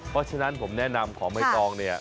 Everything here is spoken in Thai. เพราะฉะนั้นผมแนะนำของใบตองเนี่ย